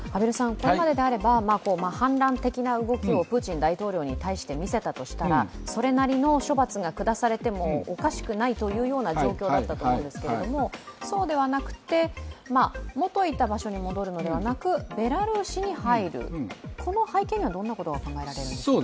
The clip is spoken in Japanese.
これまでであれば反乱的な動きをプーチン大統領に対して見せたとしたら、それなりの処罰が下されてもおかしくないという状況だったと思うんですけどそうではなくて元いた場所に戻るのではなくベラルーシに入る、この背景にはどんなことが考えられるんですか？